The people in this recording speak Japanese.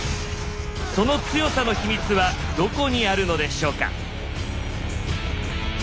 その強さの秘密はどこにあるのでしょうか。